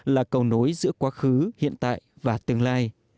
là cầu nối giữa quá khứ hiện tại và tương lai